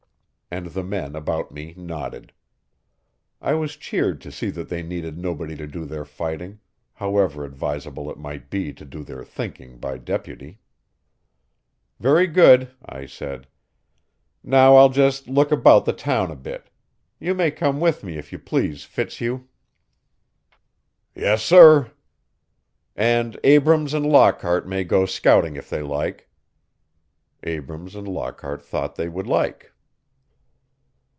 And the men about me nodded. I was cheered to see that they needed nobody to do their fighting, however advisable it might be to do their thinking by deputy. "Very good," I said. "Now I'll just look about the town a bit. You may come with me, if you please, Fitzhugh." "Yes, sir." "And Abrams and Lockhart may go scouting if they like." Abrams and Lockhart thought they would like.